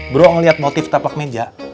bro ngeliat motif tapak meja